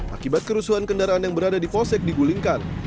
akibat kerusuhan kendaraan yang berada di polsek digulingkan